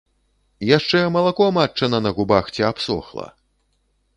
Яшчэ малако матчына на губах ці абсохла.